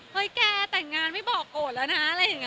เฮ้ยแกแก่งงานไม่บอกโกดและนะ